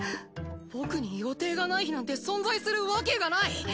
僕に予定がない日なんて存在するわけがない！